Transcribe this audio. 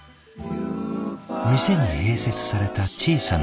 店に併設された小さなホール。